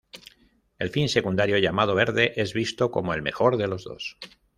El fin secundario llamado 'verde' es visto como el mejor de los dos.